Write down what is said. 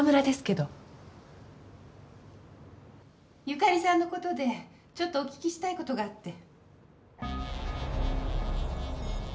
由佳里さんの事でちょっとお聞きしたい事があって。